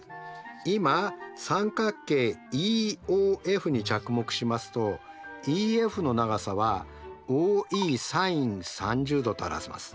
今三角形ＥＯＦに着目しますとＥＦの長さはＯＥｓｉｎ３０°と表せます。